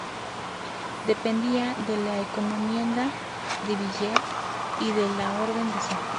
Dependía de la encomienda de Villel de la orden de San Juan.